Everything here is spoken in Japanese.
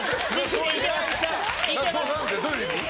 どういう意味？